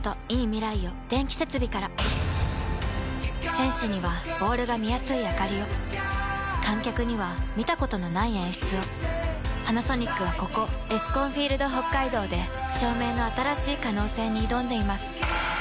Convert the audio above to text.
選手にはボールが見やすいあかりを観客には見たことのない演出をパナソニックはここエスコンフィールドＨＯＫＫＡＩＤＯで照明の新しい可能性に挑んでいます